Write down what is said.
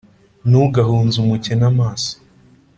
Ntugahunze umukene amaso,